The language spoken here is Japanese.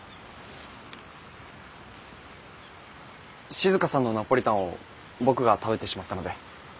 静さんのナポリタンを僕が食べてしまったので。